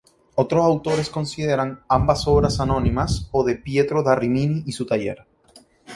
Otros autores consideran ambas obras anónimas o de Pietro da Rimini y su taller.